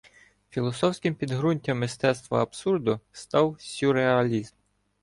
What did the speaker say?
Філософським підґрунтям мистецтва абсурду став сюрреалізм.